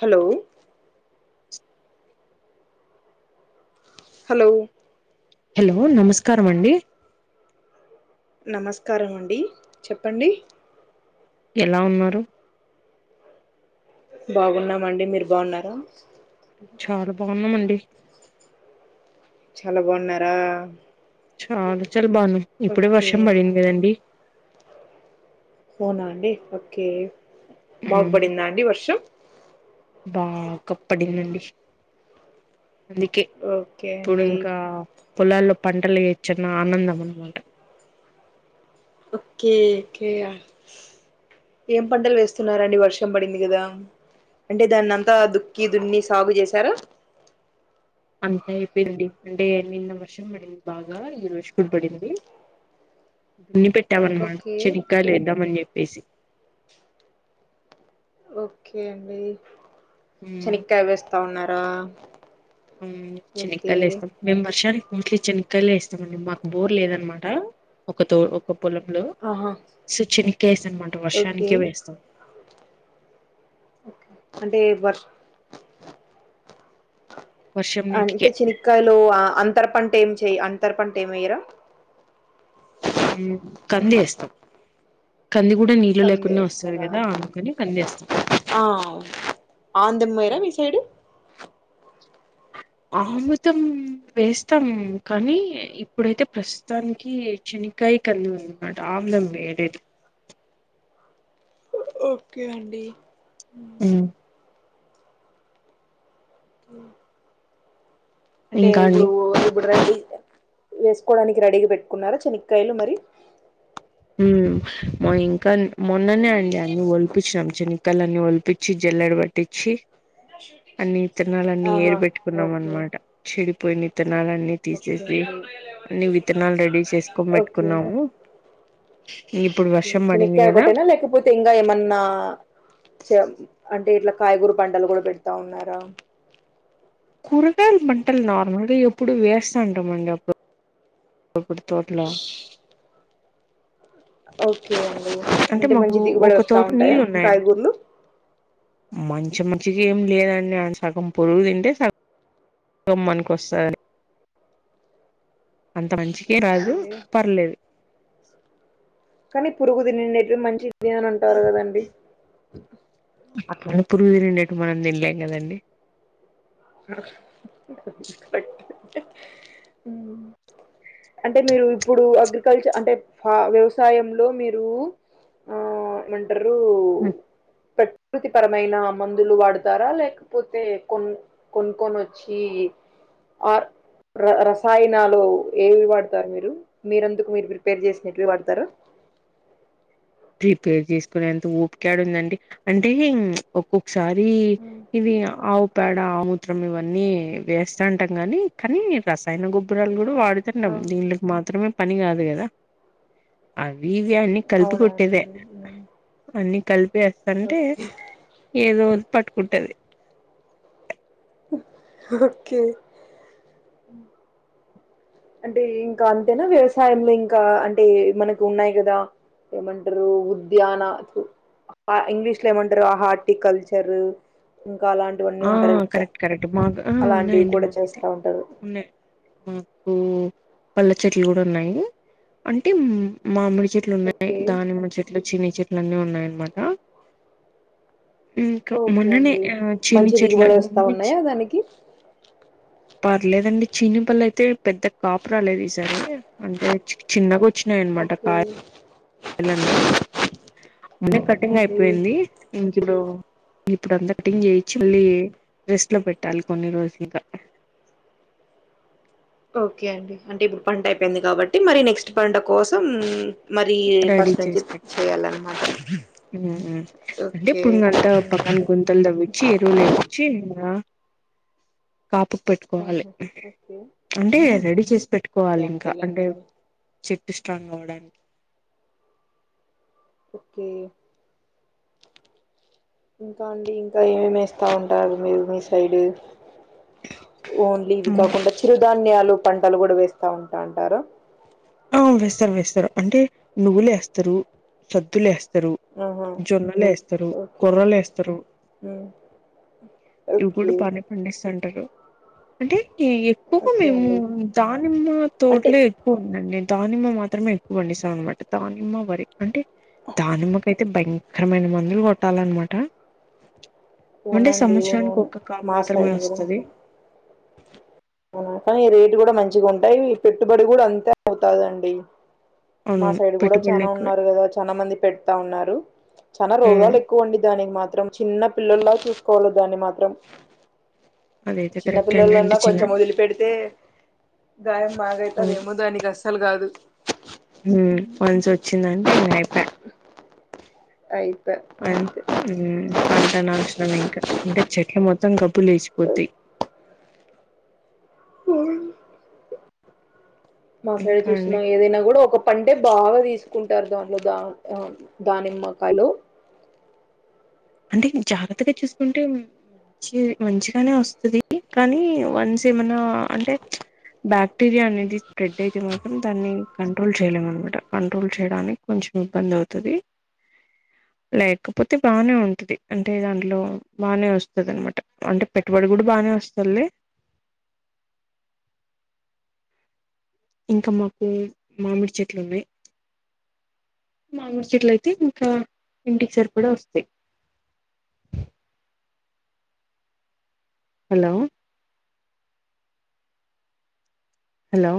Hello hello hello నమస్కారం అండి నమస్కారం అండి చెప్పండి ఎలా ఉన్నారు బాగున్నామండి మీరు బాగున్నారా చాలా బాగున్నామండి చాలా బాగున్నారా చాలా చాలు బావున్నాం ఇప్పుడే ఓకే వర్షం పడింది కదండి అవునా అండి ఓకే బాగుబడిందా అండి వర్షం బాగ పడిందండి అందుకే ఓకే ఇప్పుడు అండి ఇంకా పొలాల్లో పంటలు ఏయచ్చన్న ఆనందం అనమాట ఓకేకే ఏం పంటలు వేస్తున్నారండి వర్షం పడింది కదా అంటే దాన్ని అంతా దుక్కి దున్ని సాగు చేసారా అంత అయిపోయింది అంటే నిన్న వర్షం పడింది బాగా ఈ రోజు కు పడింది దున్ని పెట్ ట్టమనమాట ఓకే చెనికాయలేద్దామని చెప్పేసి ఓకే అండి శనక్కాయ వేస్తా ఉన్నారా ఉమ్ ఓకే చినిక్కలేస్తాం మేము వర్షాని మోస్ట్లీ చనక్కాయలే ఇష్టమండి మాకు బోర్ లేదనమాట ఒక తో ఒక పొలంలో ఆహా [unintelligible] చనక్కాయే అనమాట ఓకే వర్షానికే వేస్తాం. అంటే వర్షం వర్షం నీటికే అంటే చనక్కాయలు అంతర పంట ఏం తే అంతర్ పంట ఏం వెయ్యరా హ్మ్ కందెస్తాం కంది గుడా నీళ్లు కంది లేకున్నా వస్తది వేస్తారా కదా అందుకని కందెస్తాం. ఆమ్దం పొయ్యరా మీ సైడు ఆముదం వేస్తాం కానీ ఇప్పుడైతే ప్రస్తుతానికి చి ఇంకా కంది ఉందనమాట ఆమ్దం వేయ్యలేదు. ఓకే అండి హ్మ్ హ అంటే ఇంకా ఇప్పుడు అండి ఇప్పుడు రడి వేసుకోవడానికి రెడీగా పెట్టుకున్నారా శనక్కయలు మరి హ్మ్ ఇంకా మొన్ననే అండి అన్ని వొలిపించినం శన మక్కలన్ని ఒలిపించి జల్లడ పట్టించి అన్ని తినాలని ఆహా ఏరు పెట్టుకున్నాం ఓకే అనమాట చెడి ఓకే అండి అన్ని విత్తనాలు రెడీ చేసుకొని ఓకే పెట్టుకున్నాము ఇప్పుడు వర్షం పడింది శనక్కాయ కదా ఒకటేనా లేకపోతే ఇంగ ఏమన్నా అంటే ఇట్ల కాయగూర పంటలు కూడా పెడతా ఉన్నారా కురగాయల్ పంటల్ నార్మల్గా ఎప్పుడు వేసా ఉంటాం అండి అప్పుడ కొబ్బరి తోట్లో ఓకే అండి అంటే మాకు మంచి దిగుబడి ఒక వస్తా తోట ఉంటాయా నీళ్ళు ఉన్నాయి కాయగూర్లు మంచి మంచికి ఏం లేదండి సగం పురుగు తింటే సగం సగం మనకోస్తది అంత మంచికి రాదు ఓకే పర్లేదు మీర్ పురుగు తినిండేది మంచిదే అని అంటారు కదండి అట్ల అని పురుగు తినిండేట్ మనం తినలేం కదండి కరెక్ట్ అంటే మీరు ఇప్పుడు అగ్రికల్చర్ అంటే ఫ వ్యవసాయంలో మీరు ఆ ఏమంటరు ఆ ప్రకృతి పరమైన మందులు వాడతారా లేకపోతే కొన్ కొన్కోకొనోచ్చి ఆర్ ర రసాయనాలు ఏవి వడతారు మీరు మీరెందుకు మీర్ ప్రిపేర్ చేసినట్వి వాడతరు ప్రిపేర్ చేసుకునేంత ఒపికెడుందండి అంటే ఒక్కొ ఒకసారి మ్మ్. ఇవి ఆవు పేడ, ఆమూత్రం ఇవన్నీ వేస్తంటాం కనీ కని రసాయన గొపురాలు ఆ, వాడుతున్నాం దీట్లకి మాత్రమే పని కాదు కదా ఆ విర్యాన్ని కలుపు టిదే అవునవునండి మ్మ్. అన్ని కలిపి ఎతంటే ఓకే ఏదో పట్టుకుంటది. ఓకే అంటే ఇంకా అంతేనా వ్యవసాయంలో ఇంకా అంటే మనకు ఉన్నాయి కదా ఏమంట్రు ఉద్యాన ఇంగ్లీష్ లో ఏమంట్రు హార్టి కల్చర్ ఆ కరెక్ట్ కరెక్ట్ మాక్ ఆ అలాంటివి ఉన్నాయండి కూడా మాది చేస్తా ఉంటారు ఉన్నాయి హ్మ్ పండ్ల చెట్లు గుడా ఉన్నాయి అంటే మామిడి చెట్లు ఉన్నాయి ఓకే దానిమ్మ చెట్లు చిన్ని చెట్లు అన్నీ ఉన్నాయ అన్మాట ఇంకా ఓకే మొన్ననే అండి ఆ చిన్ని మంచి చెట్ల దిగుబడి వస్తా ఉన్నాయా దానికి పర్లేదండి చినిపల్ల అయితే పెద్ద కాపురాలేదు ఈసారి అంటే చిన్నగా వచ్చినయనమాట ఓకే కా పలన్నీ మన్న ఓకే కటింగ్ అండి అయిపోయింది ఇట్లో ఇప్పుడు అన్దటింగ్ ఏచువల్లి [inaudible] రెస్ట్ లో పెట్టాలి కొన్ని రోజులుగా ఓకే అండి అంటే ఇప్పుడు పంట అయిపోయింది కాబట్టి మరి నెక్స్ట్ పంట కోసం మరి రెడీ ఫస్ట్ నుంచి చేసి పెట్టారు చేయాలన్నమాట అంటే ఓకే ఇప్పుడు ఇంకా అంతా ఓకే అండి. పక్కన గుంతలు తవ్వచ్చి ఎరువు లే పించి కాపుకు పెట్టుకోవాలి ఆహా, ఓకే అంటే రెడీ చేసి అంతే పెట్టుకోవాలి ఇంకా అంటే అంతేలేండి చెట్టు స్ట్రాంగ్ అవడానికి ఓకే ఇంకా అండి ఇంకా ఏమేమి వేస్తా ఉంటారు మీరు మీ సైడ్ ఓన్లీ ఇవి కాకుండా చిరుధాన్యాలు పంటలు కూడా వేస్తా ఉంటా అంటారు ఆ వేస్తారు వేస్తారు అంటే నువ్వులే వేస్తారు సద్దులే వేస్తారు ఆహా స్తారు జొన్నలు వేస్తారు ఓకే కుర్రలు వేస్తారు హ్మ్. ఇవి కూడా ఓకే పానీ పండిస్తుంటారు అంటే ఎక్కువగా ఓకే మేము అండి దానిమ్మ అంటే తోటలే ఎక్కువ ఉంట దానిమ్మ మాత్రమే ఎక్కువ పండిస్తాం అనమాట దానిమ్మ వరి అంటే దానమ్మకయితే భయంకరమైన మందులు కొట్టాలన్నమాట ఉండే అవునండి సంవత్సరానికి అవునవును ఒకక్క కాప్ మా మాత్రమే సైడ్ కూడా వస్తుంది అవునా కానీ ఈ రేటు కూడా మంచిగా ఉంటాయి ఈ పెట్టుబడి కూడా అంతే అవుతాదండి మా అవునవును సైడ్ కూడా పెట్టుబడులు చనా ఎక్కువే ఉన్నారు కదా చనా మంది పెడతా ఉన్నారు చాలా ఉమ్ రోగాలు ఎక్కువ అండి దానికి మాత్రం చిన్న పిల్లల్లా చూసుకోవాల దాన్ని మాత్రం అదైతే కరెక్ట్ అండి అంటే చిన్నపిల్లలన్నా కొంచెం చిన్న వొదిలిపెడితే గాయం మాగైతే అదేమో దానికి అస్సలు కాదు మన్స్ వచ్చిందంటే ఇకా అయిపో అయిపే అ అంతే పంట నాశనం ఇంకా ఇంకా చెట్ల మొత్తం మొత్తం జబ్బు లేచిపోతాయి మా సైడ్ ఇంకా అండి చూస్తున్నా ఏదైనా కూడా ఒక పడు అంటే బాగా తీసుకుంటారు దాంట్లో దా ఆ దానిమ్మకాయలు అంటే జాగ్రత్తగా చూసుకుంటే మంచి మంచిగానే వస్తుది కానీ వన్స్ ఏమన్నా అంటే బాక్టీరియా అనేది స్ప్రెడ్ అయితే మాత్రం దాన్ని కంట్రోల్ చేయలేం అనమాట కంట్రోల్ చేయడానికి కొంచెం ఇబ్బంది అవుతది లేకపోతే బానే ఉంటుం ది అంటే దాంట్లో బాగానే వస్తుంది అనమాట అంటే పెట్టుబడి కూడా బాగానే వస్తుది లే ఇంకా మాకు మామిడి చెట్లు ఉన్నాయి మాముడి చెట్లు అయితే ఇంకా ఇంటికి సరిపడా వస్తాయి హలో హలో